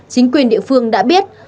chính quyền địa phương đã biết